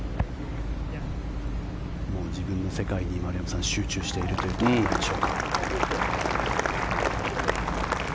自分の世界に、丸山さん集中しているということなんでしょうか。